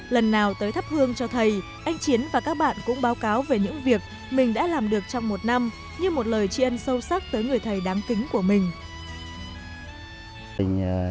lần nào tới thắp hương cho thầy anh chiến và các bạn cũng báo cáo về những việc mình đã làm được trong một năm như một lời tri ân sâu sắc tới người thầy đám kính của mình